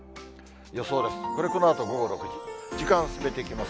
予想です。